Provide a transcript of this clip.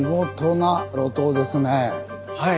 はい。